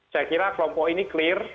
saya kira kelompok ini clear